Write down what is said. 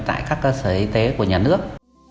tại các cơ sở y tế của nhà nước